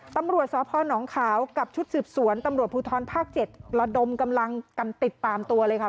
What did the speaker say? ตำรวจสพนขาวกับชุดสืบสวนตำรวจภูทรภาค๗ระดมกำลังกันติดตามตัวเลยค่ะ